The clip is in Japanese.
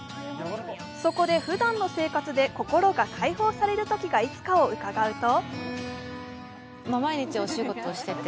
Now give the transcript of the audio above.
そこで、ふだんの生活で心が解放されるときがいつかを伺うと？